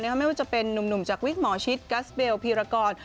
ไม่ว่าจะเป็นนุ่มจากวิกหมอชิดกัสเบลพีรกร